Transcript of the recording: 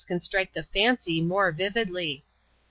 can strike the fancy more vividly.